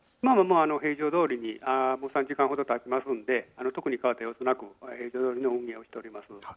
平常どおりに、もう３時間ほどたちますので特に変わった様子なく運営しております。